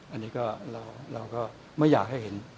อันนี้ก็เราก็ไม่อยากให้เห็น